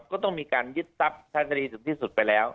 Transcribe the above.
ก็ต้องมีการยึดทรัพย์ทางคดีถึงที่สุดไปแล้ว